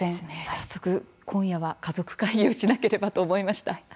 早速、今夜は家族会議をしなければと思いました。